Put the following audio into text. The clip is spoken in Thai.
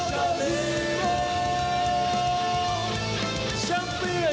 สวัสดีครับทุกคน